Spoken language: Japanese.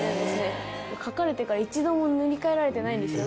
描かれてから一度も塗り替えられてないんですよ。